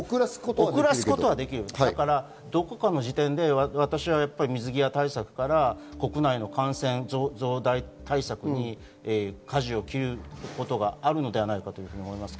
遅らすことはできますが、どこかの時点で私は水際対策から国内の感染対策に舵を切ることがあるのではないかと思いますね。